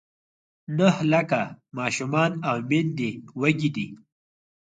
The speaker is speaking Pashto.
نهه لاکه ماشومان او میندې وږې دي.